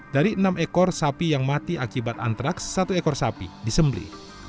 dari enam ekor sapi yang mati akibat antraks satu ekor sapi disembeli